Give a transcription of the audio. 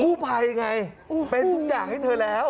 ภัยไงเป็นทุกอย่างให้เธอแล้ว